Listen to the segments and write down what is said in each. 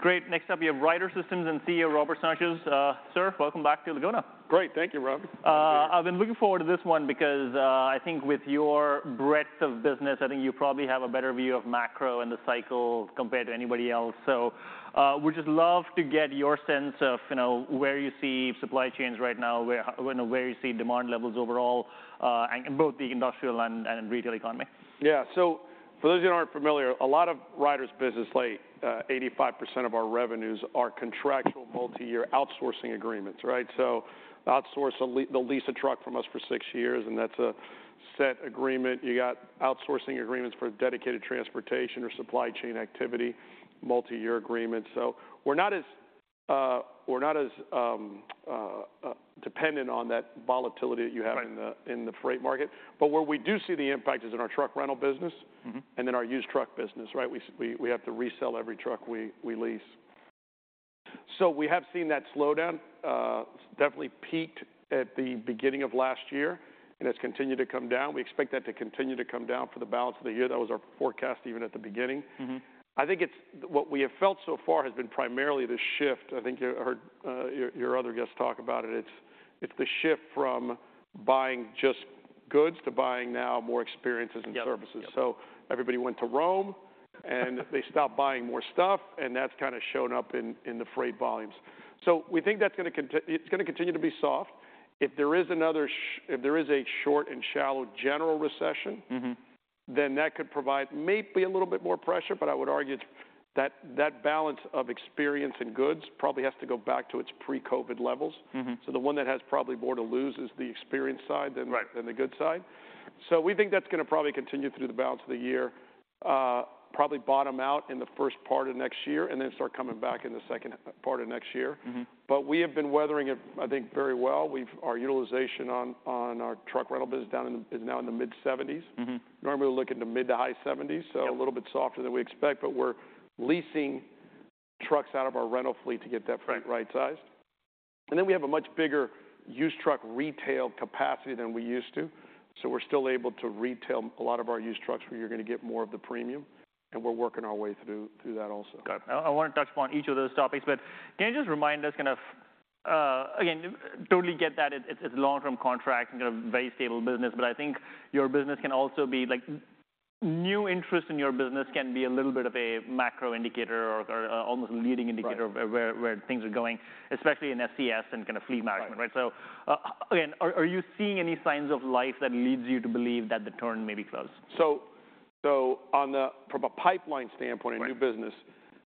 Great. Next up, we have Ryder System and CEO, Robert Sanchez. Sir, welcome back to Laguna. Great. Thank you, Rob. Thank you. I've been looking forward to this one because, I think with your breadth of business, I think you probably have a better view of macro and the cycle compared to anybody else. So, we just love to get your sense of, you know, where you see supply chains right now, where, where you see demand levels overall, in both the industrial and, and retail economy. Yeah. So for those who aren't familiar, a lot of Ryder's business, like, 85% of our revenues are contractual- Mm-hmm - multi-year outsourcing agreements, right? So outsource, they'll lease a truck from us for six years, and that's a set agreement. You got outsourcing agreements for dedicated transportation or supply chain activity, multi-year agreements. So we're not as dependent on that volatility that you have- Right... in the freight market. But where we do see the impact is in our truck rental business- Mm-hmm and then our used truck business, right? We have to resell every truck we lease. So we have seen that slowdown definitely peaked at the beginning of last year, and it's continued to come down. We expect that to continue to come down for the balance of the year. That was our forecast, even at the beginning. Mm-hmm. I think it's... What we have felt so far has been primarily the shift. I think you heard, your, your other guests talk about it. It's, it's the shift from buying just goods to buying now more experiences and services. Yeah. So everybody went to Rome, and they stopped buying more stuff, and that's kind of shown up in the freight volumes. So we think that's gonna continue to be soft. If there is another short and shallow general recession- Mm-hmm... then that could provide maybe a little bit more pressure, but I would argue that that balance of experience and goods probably has to go back to its pre-COVID levels. Mm-hmm. So the one that has probably more to lose is the experience side than- Right than the good side. So we think that's gonna probably continue through the balance of the year, probably bottom out in the first part of next year, and then start coming back in the second half part of next year. Mm-hmm. We have been weathering it, I think, very well. Our utilization on our truck rental business is now in the mid-seventies. Mm-hmm. Normally, we look in the mid- to high 70s- Yeah So a little bit softer than we expect, but we're leasing trucks out of our rental fleet to get that- Right Right-sized. And then we have a much bigger used truck retail capacity than we used to, so we're still able to retail a lot of our used trucks, where you're gonna get more of the premium, and we're working our way through that also. Got it. I wanna touch upon each of those topics, but can you just remind us, kind of. Again, totally get that it's a long-term contract and a very stable business, but I think your business can also be, like, new interest in your business can be a little bit of a macro indicator or almost a leading indicator- Right of where things are going, especially in SCS and kind of fleet management, right? Right. So, again, are you seeing any signs of life that leads you to believe that the turn may be close? from a pipeline standpoint- Right In new business,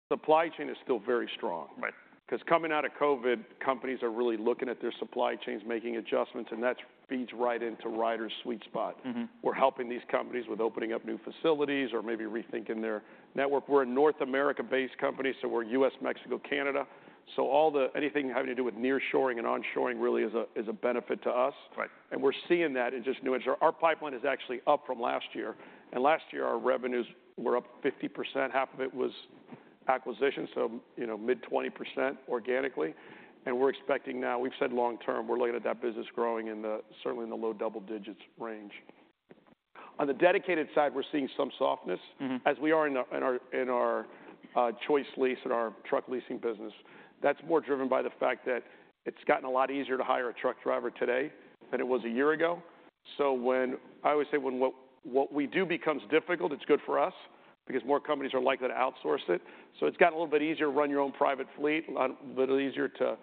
supply chain is still very strong. Right. 'Cause coming out of COVID, companies are really looking at their supply chains, making adjustments, and that feeds right into Ryder's sweet spot. Mm-hmm. We're helping these companies with opening up new facilities or maybe rethinking their network. We're a North America-based company, so we're U.S., Mexico, Canada. So all the... Anything having to do with nearshoring and onshoring really is a, is a benefit to us. Right. We're seeing that in just new ins... Our pipeline is actually up from last year, and last year, our revenues were up 50%. Half of it was acquisition, so, you know, mid-20% organically, and we're expecting now... We've said long term, we're looking at that business growing in the, certainly in the low double digits range. On the dedicated side, we're seeing some softness- Mm-hmm as we are in our ChoiceLease and our truck leasing business. That's more driven by the fact that it's gotten a lot easier to hire a truck driver today than it was a year ago. I always say, when what we do becomes difficult, it's good for us because more companies are likely to outsource it. So it's gotten a little bit easier to run your own private fleet, a little easier to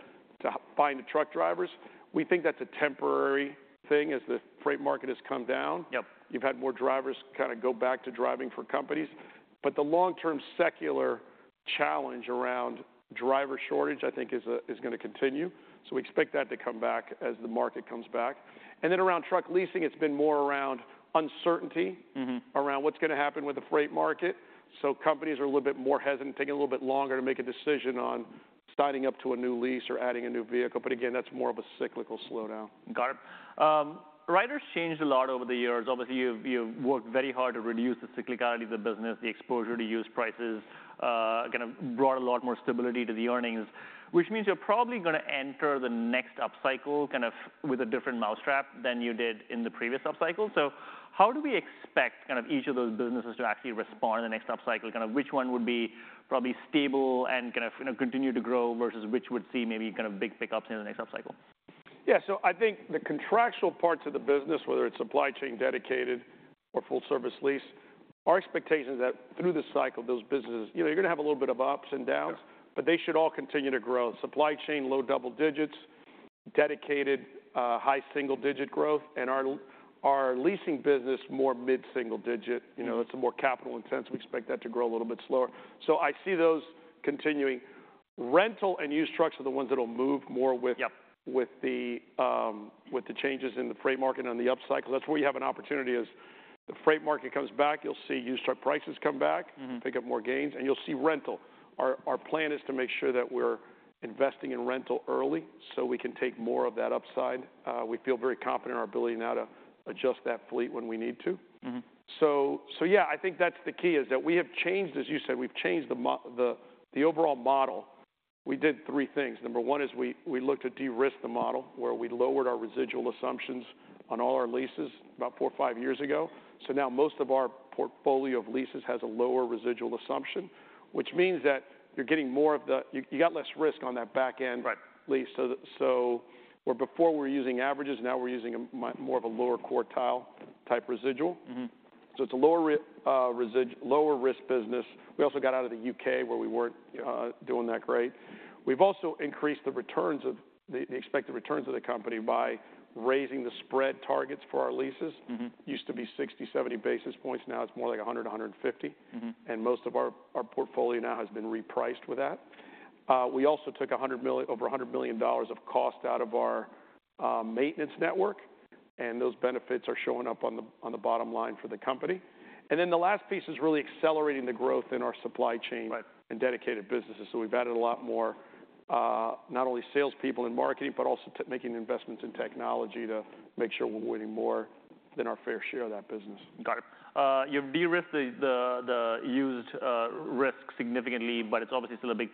find the truck drivers. We think that's a temporary thing as the freight market has come down. Yep. You've had more drivers kind of go back to driving for companies. But the long-term secular challenge around driver shortage, I think is gonna continue, so we expect that to come back as the market comes back. And then around truck leasing, it's been more around uncertainty. Mm-hmm around what's gonna happen with the freight market. So companies are a little bit more hesitant, taking a little bit longer to make a decision on signing up to a new lease or adding a new vehicle. But again, that's more of a cyclical slowdown. Got it. Ryder's changed a lot over the years. Obviously, you've, you've worked very hard to reduce the cyclicality of the business, the exposure to used prices, kind of brought a lot more stability to the earnings, which means you're probably gonna enter the next upcycle, kind of, with a different mousetrap than you did in the previous upcycle. So how do we expect, kind of, each of those businesses to actually respond in the next upcycle? Kind of, which one would be probably stable and, kind of, you know, continue to grow versus which would see maybe, kind of, big pick-ups in the next upcycle? Yeah. So I think the contractual parts of the business, whether it's supply chain dedicated or Full Service Lease, our expectation is that through the cycle, those businesses... You know, you're gonna have a little bit of ups and downs- Sure but they should all continue to grow. Supply chain, low double digits, dedicated, high single digit growth, and our leasing business, more mid-single digit. Mm-hmm. You know, it's a more capital-intensive. We expect that to grow a little bit slower. So I see those continuing. Rental and used trucks are the ones that will move more with- Yep... with the changes in the freight market on the upcycle. That's where you have an opportunity, as the freight market comes back, you'll see used truck prices come back- Mm-hmm... pick up more gains, and you'll see rental. Our plan is to make sure that we're investing in rental early, so we can take more of that upside. We feel very confident in our ability now to adjust that fleet when we need to. Mm-hmm. Yeah, I think that's the key, is that we have changed, as you said, we've changed the overall model. We did three things. Number one is we looked to de-risk the model, where we lowered our residual assumptions on all our leases about four or five years ago. So now most of our portfolio of leases has a lower residual assumption, which means that you're getting more of the-- you got less risk on that back end- Right -lease. So where before we were using averages, now we're using a more of a lower quartile type residual. Mm-hmm. So it's a lower risk business. We also got out of the U.K., where we weren't doing that great. We've also increased the expected returns of the company by raising the spread targets for our leases. Mm-hmm. Used to be 60-70 basis points, now it's more like 100-150 basis points. Mm-hmm. Most of our portfolio now has been repriced with that. We also took $100 million, over $100 million of cost out of our maintenance network, and those benefits are showing up on the bottom line for the company. Then the last piece is really accelerating the growth in our supply chain- Right and dedicated businesses. So we've added a lot more, not only salespeople in marketing, but also tech, making investments in technology to make sure we're winning more than our fair share of that business. Got it. You've de-risked the used risk significantly, but it's obviously still a big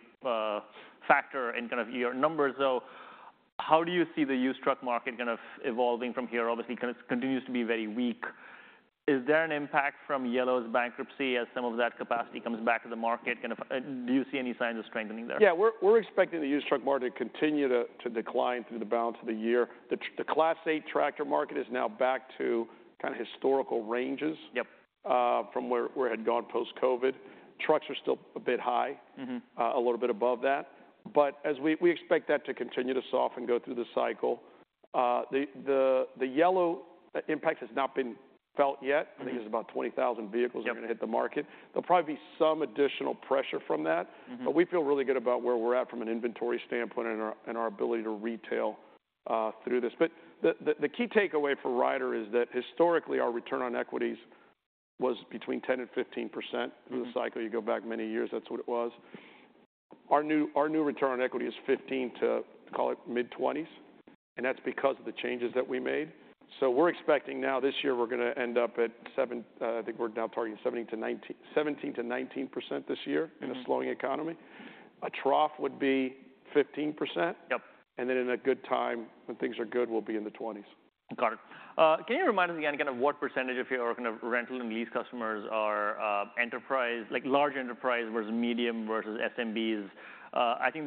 factor in kind of your numbers, so how do you see the used truck market kind of evolving from here? Obviously, kind of continues to be very weak. Is there an impact from Yellow's bankruptcy as some of that capacity comes back to the market? Kind of, do you see any signs of strengthening there? Yeah, we're expecting the used truck market to continue to decline through the balance of the year. The Class 8 tractor market is now back to kind of historical ranges- Yep... from where it had gone post-COVID. Trucks are still a bit high. Mm-hmm. A little bit above that. But as we expect that to continue to soften and go through the cycle. The Yellow impact has not been felt yet. Mm-hmm. I think there's about 20,000 vehicles- Yep that are going to hit the market. There'll probably be some additional pressure from that. Mm-hmm. But we feel really good about where we're at from an inventory standpoint and our ability to retail through this. But the key takeaway for Ryder is that historically, our return on equity was between 10% and 15%. Mm-hmm. Through the cycle, you go back many years, that's what it was. Our new, our new return on equity is 15% to, call it, mid-20s, and that's because of the changes that we made. So we're expecting now this year, we're going to end up at 7%... I think we're now targeting 17%-19%, 17%-19% this year- Mm-hmm -in a slowing economy. A trough would be 15%. Yep. And then in a good time, when things are good, we'll be in the 20s. Got it. Can you remind us again, kind of what percentage of your kind of rental and lease customers are enterprise, like large enterprise, versus medium, versus SMBs? I think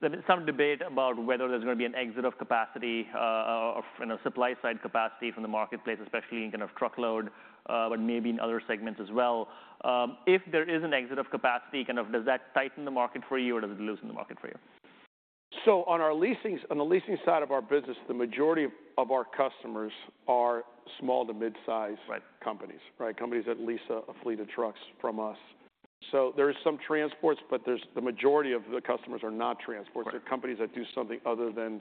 there's been, there's been some debate about whether there's going to be an exit of capacity, or, you know, supply side capacity from the marketplace, especially in kind of truckload, but maybe in other segments as well. If there is an exit of capacity, kind of does that tighten the market for you, or does it loosen the market for you? On our leasing, on the leasing side of our business, the majority of our customers are small to mid-size- Right Companies. Right? Companies that lease a fleet of trucks from us. So there is some transports, but there's the majority of the customers are not transports. Right. They're companies that do something other than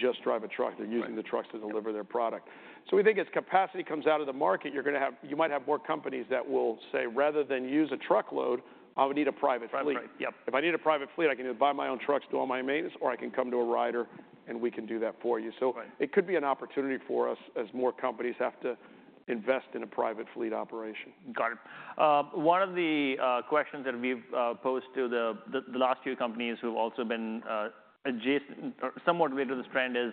just drive a truck. Right. They're using the trucks to deliver their product. So we think as capacity comes out of the market, you're going to have... You might have more companies that will say, "Rather than use a truckload, I would need a private fleet. private fleet, yep. If I need a private fleet, I can either buy my own trucks, do all my maintenance, or I can come to a Ryder, and we can do that for you. Right. It could be an opportunity for us as more companies have to invest in a private fleet operation. Got it. One of the questions that we've posed to the last few companies who've also been adjacent or somewhat related to this trend, is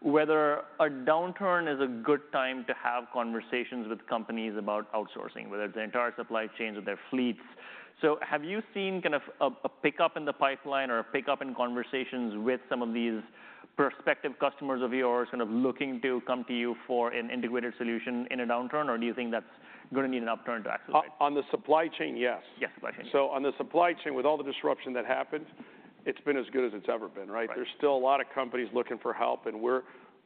whether a downturn is a good time to have conversations with companies about outsourcing, whether it's the entire supply chains or their fleets. So have you seen kind of a pickup in the pipeline or a pickup in conversations with some of these prospective customers of yours, kind of looking to come to you for an integrated solution in a downturn, or do you think that's going to need an upturn to activate? On the supply chain, yes. Yes, supply chain. On the supply chain, with all the disruption that happened, it's been as good as it's ever been, right? Right. There's still a lot of companies looking for help, and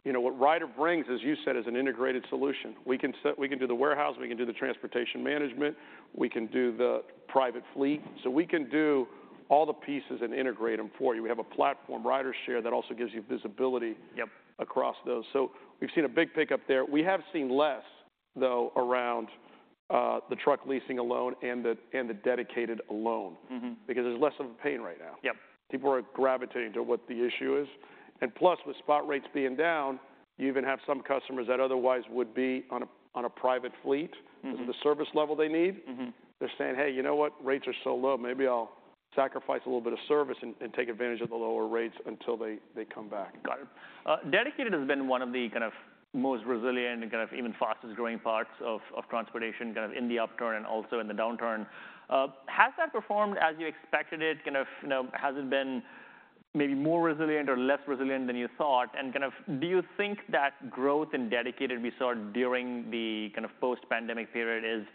we're—you know, what Ryder brings, as you said, is an integrated solution. We can—we can do the warehouse, we can do the transportation management, we can do the private fleet. So we can do all the pieces and integrate them for you. We have a platform, RyderShare, that also gives you visibility— Yep -across those. So we've seen a big pickup there. We have seen less, though, around, the truck leasing alone and the, and the dedicated alone. Mm-hmm. Because there's less of a pain right now. Yep. People are gravitating to what the issue is. Plus, with spot rates being down, you even have some customers that otherwise would be on a private fleet- Mm-hmm... because of the service level they need. Mm-hmm. They're saying: "Hey, you know what? Rates are so low, maybe I'll sacrifice a little bit of service and take advantage of the lower rates until they come back. Got it. Dedicated has been one of the kind of most resilient and kind of even fastest-growing parts of, of transportation, kind of in the upturn and also in the downturn. Has that performed as you expected it? Kind of, you know, has it been maybe more resilient or less resilient than you thought? And kind of, do you think that growth in Dedicated we saw during the kind of post-pandemic period is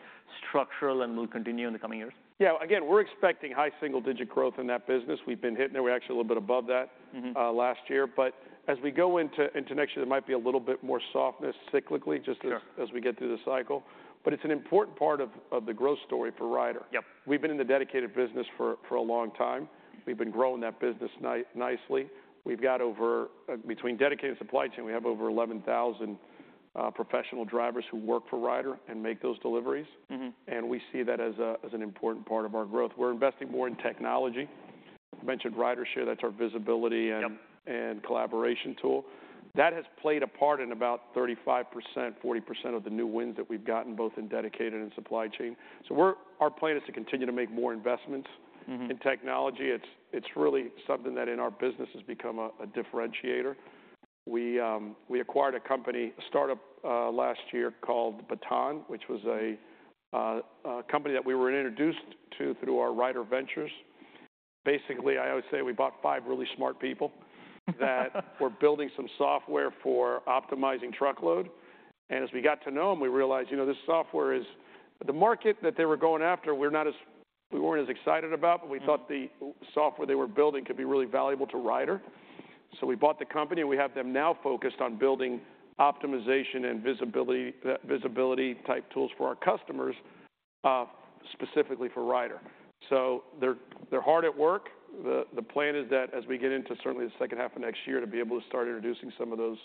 structural and will continue in the coming years? Yeah. Again, we're expecting high single-digit growth in that business. We've been hitting it. We're actually a little bit above that- Mm-hmm... last year. But as we go into next year, there might be a little bit more softness cyclically- Sure Just as we get through the cycle. But it's an important part of the growth story for Ryder. Yep. We've been in the dedicated business for a long time. We've been growing that business nicely. We've got over, between Dedicated Supply Chain, we have over 11,000 professional drivers who work for Ryder and make those deliveries. Mm-hmm. We see that as an important part of our growth. We're investing more in technology. Mentioned RyderShare, that's our visibility and- Yep ...and collaboration tool. That has played a part in about 35%-40% of the new wins that we've gotten, both in dedicated and supply chain. So we're-- our plan is to continue to make more investments- Mm-hmm. in technology. It's really something that in our business has become a differentiator. We acquired a company, a startup, last year called Baton, which was a company that we were introduced to through our Ryder Ventures. Basically, I would say we bought five really smart people that were building some software for optimizing truckload. And as we got to know them, we realized, you know, this software is... The market that they were going after, we're not as, we weren't as excited about, but we- Mm... thought the software they were building could be really valuable to Ryder. So we bought the company, and we have them now focused on building optimization and visibility, visibility-type tools for our customers, specifically for Ryder. So they're hard at work. The plan is that as we get into certainly the second half of next year, to be able to start introducing some of those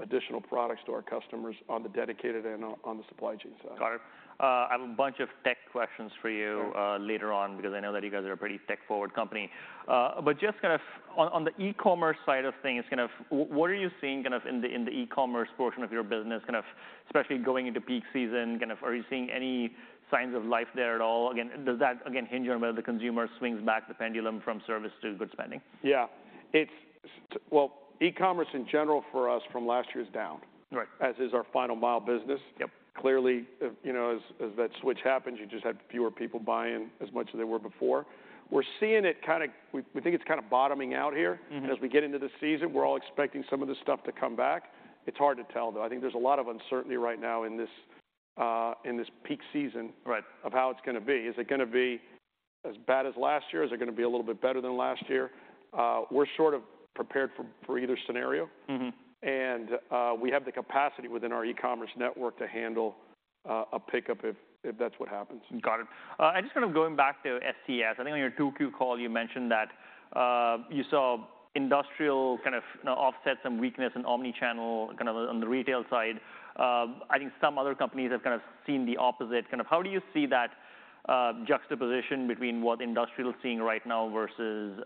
additional products to our customers on the dedicated and on the supply chain side. Got it. I have a bunch of tech questions for you- Okay... later on, because I know that you guys are a pretty tech-forward company. But just kind of on the e-commerce side of things, kind of what are you seeing kind of in the e-commerce portion of your business, kind of especially going into peak season, kind of are you seeing any signs of life there at all? Again, does that, again, hinge on whether the consumer swings back the pendulum from service to good spending? Yeah. Well, e-commerce in general for us from last year is down. Right. As is our final mile business. Yep. Clearly, you know, as that switch happens, you just have fewer people buying as much as they were before. We're seeing it kind of... We think it's kind of bottoming out here. Mm-hmm. As we get into the season, we're all expecting some of this stuff to come back. It's hard to tell, though. I think there's a lot of uncertainty right now in this peak season- Right... of how it's gonna be. Is it gonna be as bad as last year? Is it gonna be a little bit better than last year? We're sort of prepared for either scenario. Mm-hmm. We have the capacity within our e-commerce network to handle a pickup if that's what happens. Got it. And just kind of going back to SCS, I think on your 2Q call, you mentioned that you saw industrial kind of, you know, offset some weakness in omni-channel, kind of on the retail side. I think some other companies have kind of seen the opposite. Kind of how do you see that juxtaposition between what industrial is seeing right now versus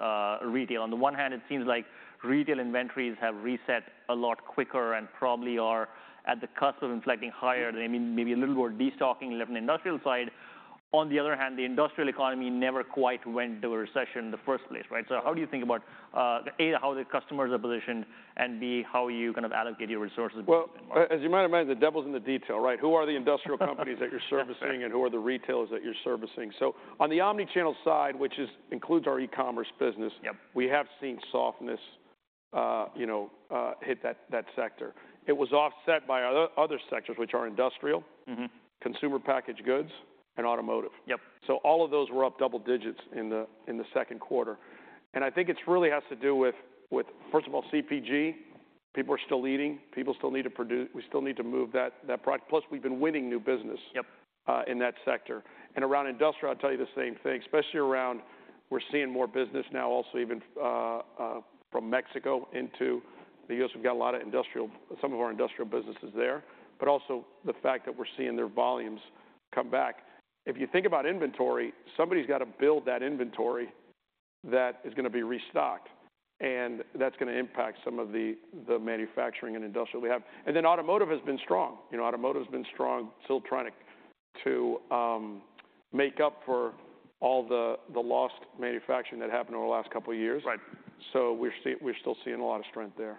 retail? On the one hand, it seems like retail inventories have reset a lot quicker and probably are at the cusp of inflecting higher. I mean, maybe a little more destocking left in the industrial side. On the other hand, the industrial economy never quite went into a recession in the first place, right? So how do you think about A, how the customers are positioned, and B, how you kind of allocate your resources going forward? Well, as you might imagine, the devil's in the detail, right? Who are the industrial companies—that you're servicing, and who are the retailers that you're servicing? So on the omni-channel side, which is, includes our e-commerce business- Yep... we have seen softness, you know, hit that, that sector. It was offset by other, other sectors, which are industrial- Mm-hmm... consumer packaged goods, and automotive. Yep. So all of those were up double digits in the second quarter. And I think it's really has to do with, first of all, CPG. People are still eating. We still need to move that, that product, plus we've been winning new business- Yep... in that sector. Around industrial, I'll tell you the same thing, especially around, we're seeing more business now also even from Mexico into the U.S. We've got a lot of industrial, some of our industrial business is there, but also the fact that we're seeing their volumes come back. If you think about inventory, somebody's got to build that inventory that is gonna be restocked, and that's gonna impact some of the manufacturing and industrial we have. And then automotive has been strong. You know, automotive has been strong, still trying to make up for all the lost manufacturing that happened over the last couple of years. Right. So we're still seeing a lot of strength there.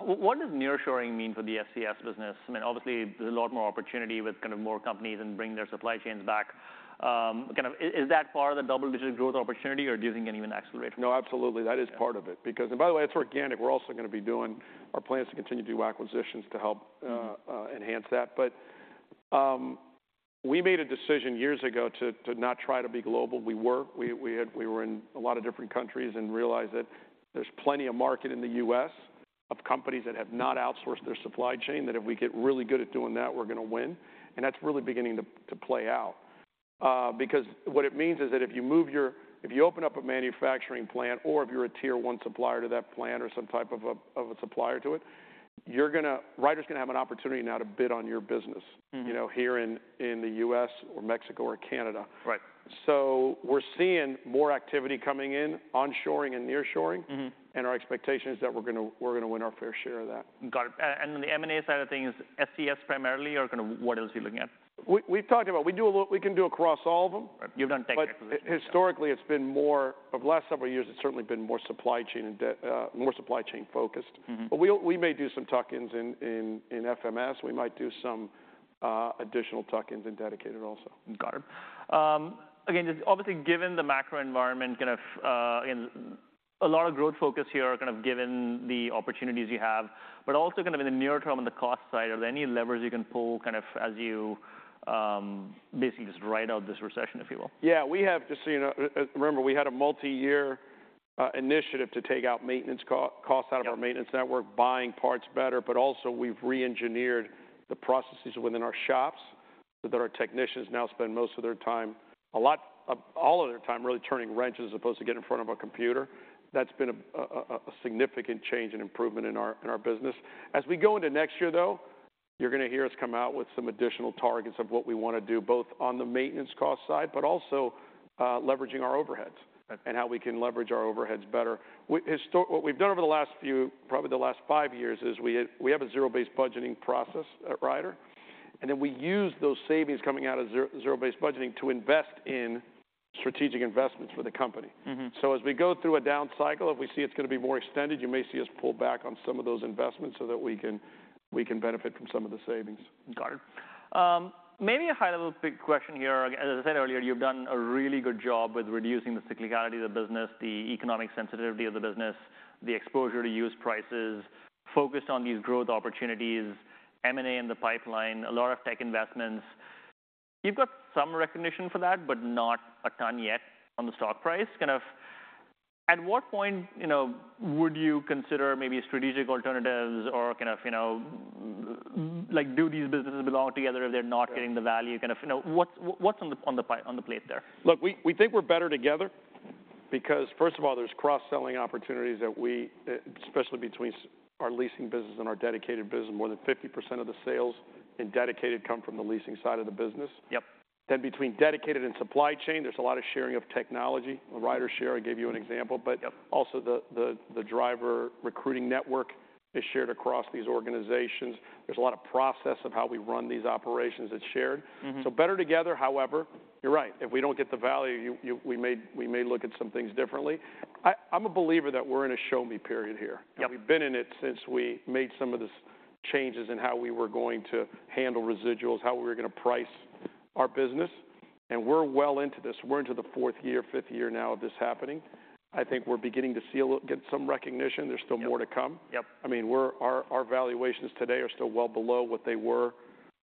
What does nearshoring mean for the SCS business? I mean, obviously there's a lot more opportunity with kind of more companies and bringing their supply chains back. Kind of, is that part of the double-digit growth opportunity, or do you think it can even accelerate? No, absolutely, that is part of it. Yeah. Because... And by the way, it's organic. We're also gonna be doing our plans to continue to do acquisitions to help. Mm... enhance that. But, we made a decision years ago to not try to be global. We were in a lot of different countries and realized that there's plenty of market in the U.S. of companies that have not outsourced their supply chain, that if we get really good at doing that, we're gonna win, and that's really beginning to play out. Because what it means is that if you open up a manufacturing plant or if you're a tier one supplier to that plant or some type of a supplier to it, you're gonna—Ryder's gonna have an opportunity now to bid on your business— Mm-hmm... you know, here in the U.S. or Mexico or Canada. Right. We're seeing more activity coming in, onshoring and nearshoring. Mm-hmm. Our expectation is that we're gonna win our fair share of that. Got it. And then the M&A side of things, SCS primarily, or kind of what else are you looking at? We've talked about... We can do across all of them. Right. You've done tech acquisition- But historically, it's been more, over the last several years, it's certainly been more supply chain and more supply chain focused. Mm-hmm. But we may do some tuck-ins in FMS. We might do some additional tuck-ins in Dedicated also. Got it. Again, just obviously, given the macro environment, kind of, and a lot of growth focus here, kind of given the opportunities you have, but also kind of in the near term, on the cost side, are there any levers you can pull, kind of, as you, basically just ride out this recession, if you will? Yeah, we have, just so you know, remember, we had a multiyear initiative to take out maintenance costs- Yep... out of our maintenance network, buying parts better, but also we've reengineered the processes within our shops, so that our technicians now spend most of their time, a lot... all of their time, really turning wrenches, as opposed to get in front of a computer. That's been a significant change and improvement in our business. As we go into next year, though... You're gonna hear us come out with some additional targets of what we want to do, both on the maintenance cost side, but also leveraging our overheads- Okay and how we can leverage our overheads better. We historically, what we've done over the last few, probably the last five years, is we have a zero-based budgeting process at Ryder, and then we use those savings coming out of zero-based budgeting to invest in strategic investments for the company. Mm-hmm. So as we go through a down cycle, if we see it's gonna be more extended, you may see us pull back on some of those investments so that we can benefit from some of the savings. Got it. Maybe a high-level big question here. As I said earlier, you've done a really good job with reducing the cyclicality of the business, the economic sensitivity of the business, the exposure to used prices, focused on these growth opportunities, M&A in the pipeline, a lot of tech investments. You've got some recognition for that, but not a ton yet on the stock price. Kind of at what point, you know, would you consider maybe strategic alternatives or kind of, you know, like, do these businesses belong together if they're not- Yeah Getting the value? Kind of, you know, what's on the plate there? Look, we think we're better together because first of all, there's cross-selling opportunities that we, especially between our leasing business and our dedicated business, more than 50% of the sales in dedicated come from the leasing side of the business. Yep. Between dedicated and supply chain, there's a lot of sharing of technology. The RyderShare, I gave you an example, but- Yep... also, the driver recruiting network is shared across these organizations. There's a lot of process of how we run these operations that's shared. Mm-hmm. So better together, however, you're right, if we don't get the value, we may look at some things differently. I'm a believer that we're in a show me period here. Yep. We've been in it since we made some of the changes in how we were going to handle residuals, how we were gonna price our business, and we're well into this. We're into the fourth year, fifth year now of this happening. I think we're beginning to see a little, get some recognition. There's still more- Yep... to come. Yep. I mean, our valuations today are still well below what they were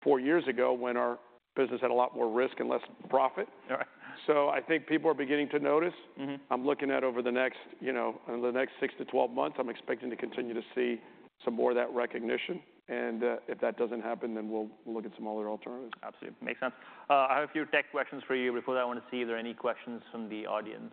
four years ago when our business had a lot more risk and less profit. Right. So I think people are beginning to notice. Mm-hmm. I'm looking at over the next, you know, in the next 6-12 months, I'm expecting to continue to see some more of that recognition, and if that doesn't happen, then we'll look at some other alternatives. Absolutely. Makes sense. I have a few tech questions for you. Before that, I want to see if there are any questions from the audience.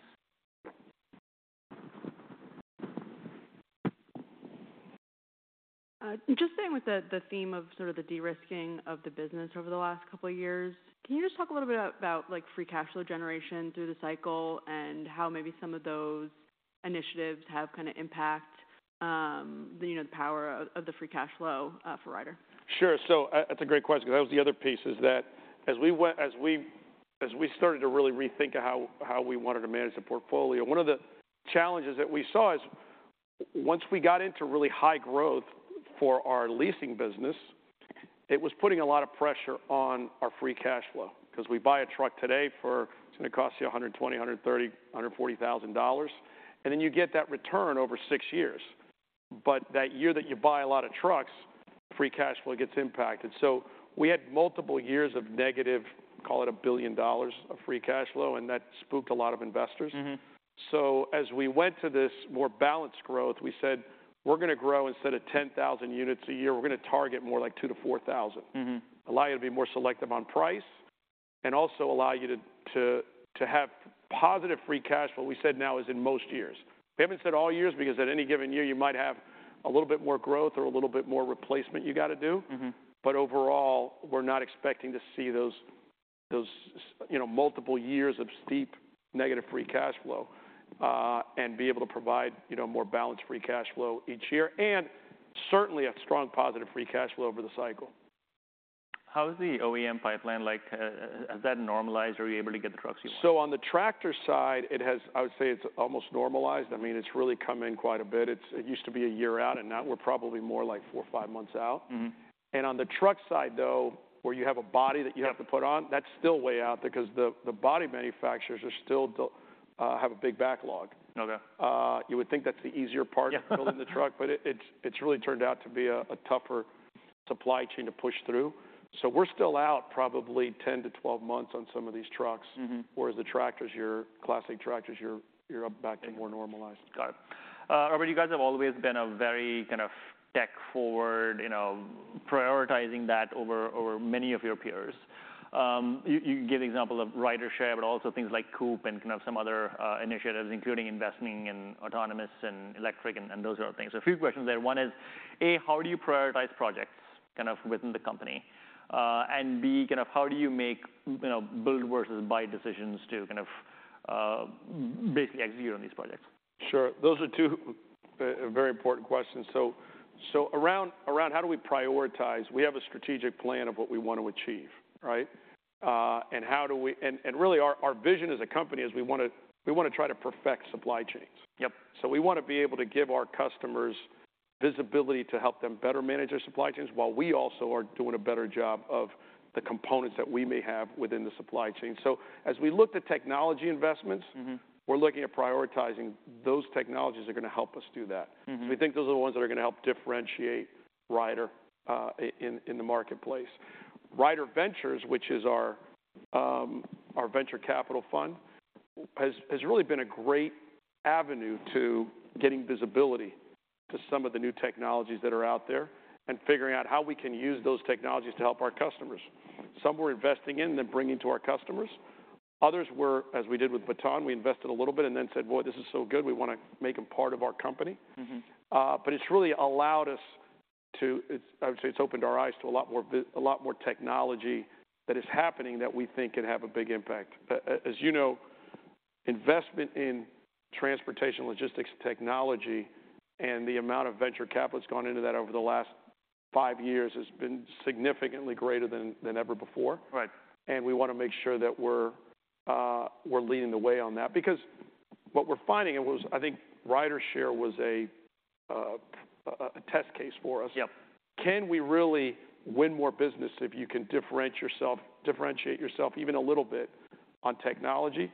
Just staying with the theme of sort of the de-risking of the business over the last couple of years, can you just talk a little bit about, like, free cash flow generation through the cycle and how maybe some of those initiatives have kind of impact, you know, the power of the free cash flow for Ryder? Sure. So, that's a great question, because that was the other piece, is that, as we started to really rethink how we wanted to manage the portfolio, one of the challenges that we saw is, once we got into really high growth for our leasing business, it was putting a lot of pressure on our free cash flow. 'Cause we buy a truck today for... It's gonna cost you $120,000-$140,000, and then you get that return over 6 years. But that year that you buy a lot of trucks, free cash flow gets impacted. So we had multiple years of negative, call it $1 billion of free cash flow, and that spooked a lot of investors. Mm-hmm. So as we went to this more balanced growth, we said, "We're gonna grow. Instead of 10,000 units a year, we're gonna target more like 2,000 units-4,000 units. Mm-hmm. Allow you to be more selective on price, and also allow you to have positive free cash flow, we said now is in most years. We haven't said all years, because at any given year, you might have a little bit more growth or a little bit more replacement you gotta do. Mm-hmm. Overall, we're not expecting to see those, you know, multiple years of steep negative free cash flow, and be able to provide, you know, more balanced free cash flow each year, and certainly a strong positive free cash flow over the cycle. How is the OEM pipeline like? Has that normalized? Are you able to get the trucks you want? On the tractor side, it has. I would say it's almost normalized. I mean, it's really come in quite a bit. It used to be a year out, and now we're probably more like four or five months out. Mm-hmm. On the truck side, though, where you have a body that you- Yep... have to put on, that's still way out because the body manufacturers are still have a big backlog. Okay. You would think that's the easier part. Yeah. of building the truck, but it's really turned out to be a tougher supply chain to push through. So we're still out probably 10-12 months on some of these trucks. Mm-hmm. Whereas the tractors, your classic tractors, you're up back to more normalized. Got it. But you guys have always been a very kind of tech-forward, you know, prioritizing that over, over many of your peers. You, you gave the example of RyderShare, but also things like COOP and kind of some other initiatives, including investing in autonomous and electric and, and those sort of things. So a few questions there. One is, A, how do you prioritize projects kind of within the company? And B, kind of how do you make, you know, build versus buy decisions to kind of basically execute on these projects? Sure. Those are two very important questions. So around how do we prioritize, we have a strategic plan of what we want to achieve, right? And how do we... really, our vision as a company is we wanna try to perfect supply chains. Yep. So we wanna be able to give our customers visibility to help them better manage their supply chains, while we also are doing a better job of the components that we may have within the supply chain. So as we look at technology investments- Mm-hmm... we're looking at prioritizing those technologies that are gonna help us do that. Mm-hmm. We think those are the ones that are gonna help differentiate Ryder in the marketplace. Ryder Ventures, which is our venture capital fund, has really been a great avenue to getting visibility to some of the new technologies that are out there and figuring out how we can use those technologies to help our customers. Some we're investing in and bringing to our customers.... others were, as we did with Baton, we invested a little bit and then said: "Boy, this is so good, we want to make them part of our company. Mm-hmm. But it's really allowed us to, it's. I would say it's opened our eyes to a lot more technology that is happening, that we think can have a big impact. As you know, investment in transportation, logistics, technology, and the amount of venture capital that's gone into that over the last five years has been significantly greater than ever before. Right. And we want to make sure that we're leading the way on that. Because what we're finding, I think, RyderShare was a test case for us. Yep. Can we really win more business if you can differentiate yourself, differentiate yourself even a little bit on technology?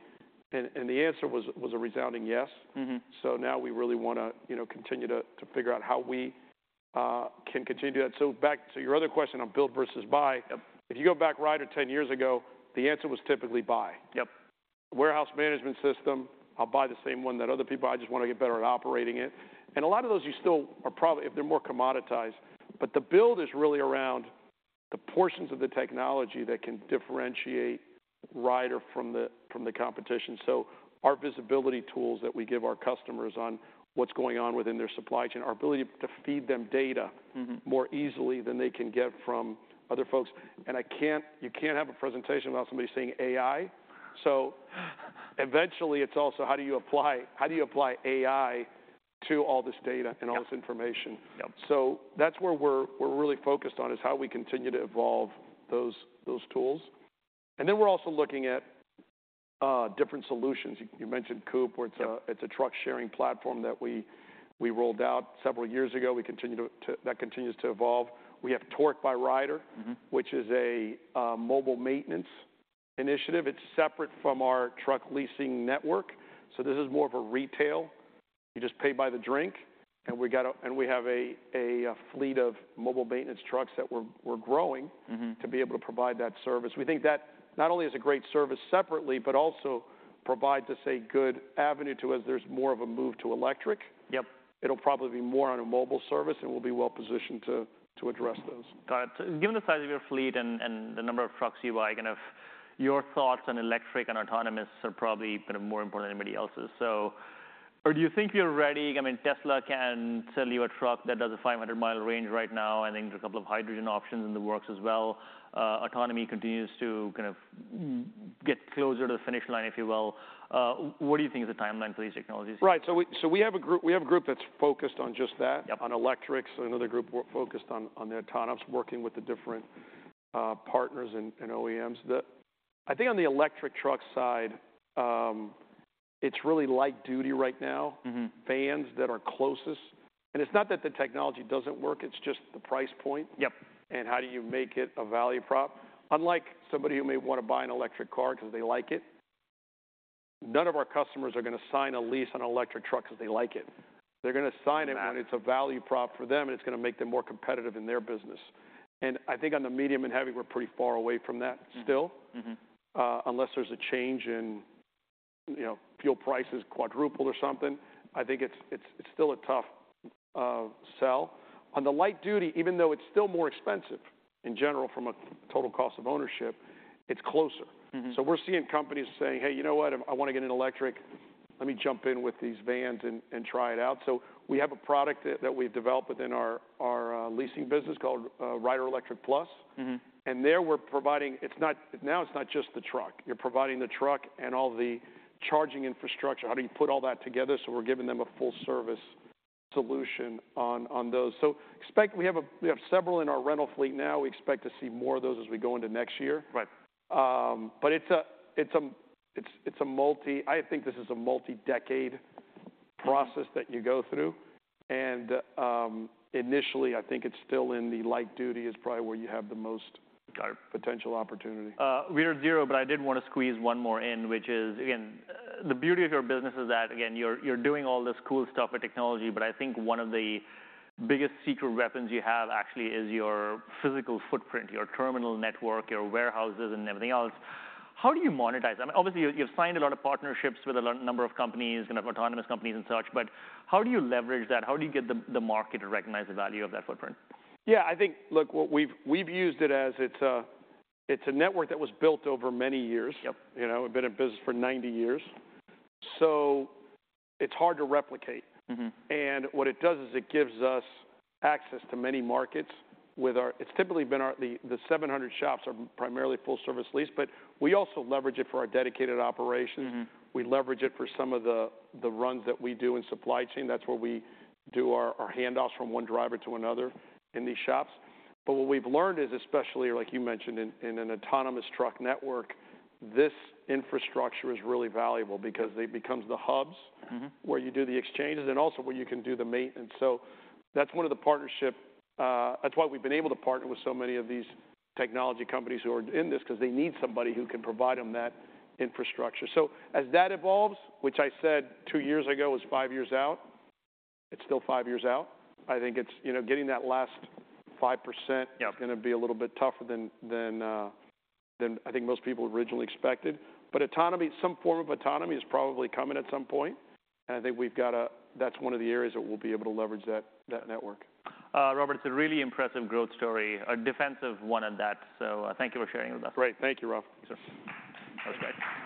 And the answer was a resounding yes. Mm-hmm. So now we really want to, you know, continue to figure out how we can continue that. So back to your other question on build versus buy- Yep. If you go back to Ryder 10 years ago, the answer was typically buy. Yep. Warehouse management system, I'll buy the same one that other people... I just want to get better at operating it. And a lot of those, they're more commoditized, but the build is really around the portions of the technology that can differentiate Ryder from the competition. So our visibility tools that we give our customers on what's going on within their supply chain, our ability to feed them data- Mm-hmm... more easily than they can get from other folks. And I can't, you can't have a presentation without somebody saying AI. So, eventually, it's also how do you apply AI to all this data- Yep and all this information? Yep. So that's where we're really focused on, is how we continue to evolve those tools. And then we're also looking at different solutions. You mentioned COOP, where it's- Yep... it's a truck-sharing platform that we rolled out several years ago. That continues to evolve. We have Torque by Ryder- Mm-hmm... which is a mobile maintenance initiative. It's separate from our truck leasing network, so this is more of a retail. You just pay by the drink, and we have a fleet of mobile maintenance trucks that we're growing- Mm-hmm... to be able to provide that service. We think that not only is it a great service separately, but also provides, say, good avenue to as there's more of a move to electric. Yep. It'll probably be more on a mobile service, and we'll be well positioned to address those. Got it. Given the size of your fleet and the number of trucks you buy, kind of your thoughts on electric and autonomous are probably kind of more important than anybody else's. So, but do you think you're ready? I mean, Tesla can sell you a truck that does a 500-mile range right now, and I think there's a couple of hydrogen options in the works as well. Autonomy continues to kind of get closer to the finish line, if you will. What do you think is the timeline for these technologies? Right. So we have a group that's focused on just that- Yep... on electrics, another group focused on the autonomous, working with the different partners and OEMs. I think on the electric truck side, it's really light duty right now. Mm-hmm. Vans that are closest. It's not that the technology doesn't work, it's just the price point. Yep. How do you make it a value prop? Unlike somebody who may want to buy an electric car because they like it, none of our customers are going to sign a lease on an electric truck 'cause they like it. They're going to sign it- Right... when it's a value prop for them, and it's going to make them more competitive in their business. I think on the medium and heavy, we're pretty far away from that still. Mm-hmm. Mm-hmm. Unless there's a change in, you know, fuel prices, quadruple or something, I think it's still a tough sell. On the light duty, even though it's still more expensive in general from a total cost of ownership, it's closer. Mm-hmm. So we're seeing companies saying, "Hey, you know what? I want to get an electric. Let me jump in with these vans and try it out." So we have a product that we've developed within our leasing business called Ryder Electric Plus. Mm-hmm. There, we're providing. Now it's not just the truck. You're providing the truck and all the charging infrastructure. How do you put all that together? So we're giving them a full-service solution on those. So, we expect we have several in our rental fleet now. We expect to see more of those as we go into next year. Right. But it's a multi-decade process that you go through, and initially, I think it's still in the light duty is probably where you have the most- Got it... potential opportunity. We're at zero, but I did want to squeeze one more in, which is, again, the beauty of your business is that, again, you're doing all this cool stuff with technology, but I think one of the biggest secret weapons you have actually is your physical footprint, your terminal network, your warehouses, and everything else. How do you monetize them? Obviously, you've signed a lot number of companies, kind of autonomous companies and such, but how do you leverage that? How do you get the market to recognize the value of that footprint? Yeah, I think, look, what we've used it as. It's a network that was built over many years. Yep. You know, we've been in business for 90 years, so it's hard to replicate. Mm-hmm. What it does is it gives us access to many markets with our. It's typically been our the 700 shops are primarily Full Service Lease, but we also leverage it for our dedicated operations. Mm-hmm. We leverage it for some of the runs that we do in supply chain. That's where we do our handoffs from one driver to another in these shops. But what we've learned is, especially like you mentioned in an autonomous truck network, this infrastructure is really valuable because it becomes the hubs- Mm-hmm... where you do the exchanges and also where you can do the maintenance. So that's one of the partnership, that's why we've been able to partner with so many of these technology companies who are in this, because they need somebody who can provide them that infrastructure. So as that evolves, which I said two years ago was five years out, it's still five years out. I think it's, you know, getting that last 5%- Yep... is going to be a little bit tougher than I think most people originally expected. But autonomy, some form of autonomy is probably coming at some point, and I think we've got a. That's one of the areas that we'll be able to leverage that network. Robert, it's a really impressive growth story, a defensive one at that, so, thank you for sharing with us. Great. Thank you, Rob. Sure. That was great.